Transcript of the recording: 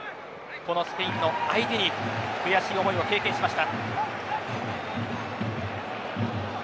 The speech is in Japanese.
スペインを相手に悔しい思いを経験しました。